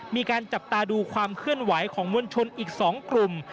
มีการจับตาดูความเคลื่อนไหวของมวลชนอีก๒กลุ่ม